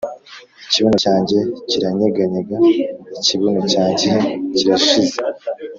ikibuno cyanjye, kiranyeganyega, ikibuno cyanjye kirashize